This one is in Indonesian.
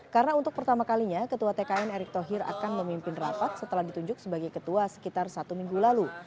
karena untuk pertama kalinya ketua tkn erick thohir akan memimpin rapat setelah ditunjuk sebagai ketua sekitar satu minggu lalu